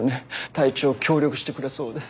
隊長協力してくれそうです。